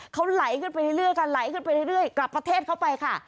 เขาไหลขึ้นไปเรื่อยกลับประเทศเข้าไปค่ะ